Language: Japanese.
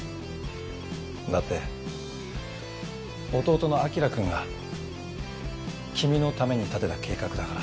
だって弟の輝くんが君のために立てた計画だから。